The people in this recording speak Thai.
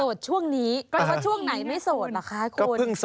สวดช่วงนี้ว่าช่วงนั้นไม่สวดหรือคะคุณ